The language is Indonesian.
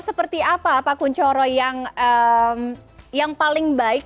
seperti apa pak kunchoro yang paling baik